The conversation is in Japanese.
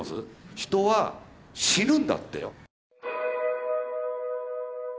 人は死ぬんだってよ。